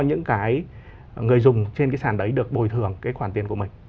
cho những cái người dùng trên cái sàn đấy được bồi thưởng cái khoản tiền của mình